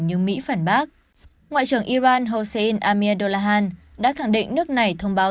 những mỹ phản bác ngoại trưởng iran hossein amir dolahan đã khẳng định nước này thông báo